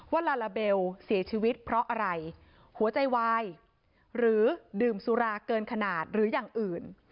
ลาลาเบลเสียชีวิตเพราะอะไรหัวใจวายหรือดื่มสุราเกินขนาดหรืออย่างอื่น